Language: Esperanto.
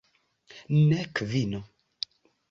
Nek vino.